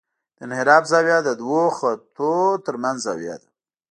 د انحراف زاویه د دوه خطونو ترمنځ زاویه ده